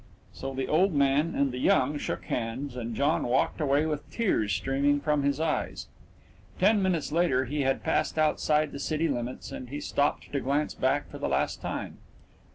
So the old man and the young shook hands, and John walked away with tears streaming from his eyes. Ten minutes later he had passed outside the city limits and he stopped to glance back for the last time.